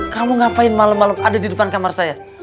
kamu ngapain malem malem ada di depan kamar saya